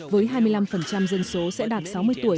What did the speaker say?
với hai mươi năm dân số sẽ đạt sáu mươi tuổi